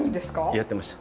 やってました。